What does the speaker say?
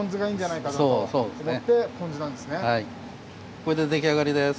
これで出来上がりです。